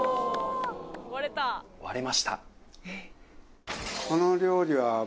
割れました。